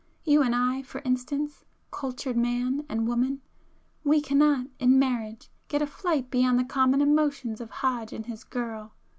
You and I for instance,—cultured man and woman,—we cannot, in marriage, get a flight beyond the common emotions of Hodge and his girl!"